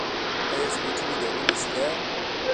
آیا سپورتي میدانونه شته؟